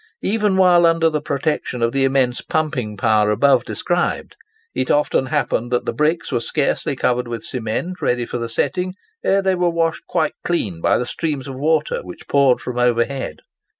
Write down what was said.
Even while under the protection of the immense pumping power above described, it often happened that the bricks were scarcely covered with cement ready for the setting, ere they were washed quite clean by the streams of water which poured from overhead.